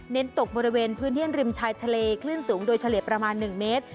ตกบริเวณพื้นที่ริมชายทะเลคลื่นสูงโดยเฉลี่ยประมาณ๑เมตร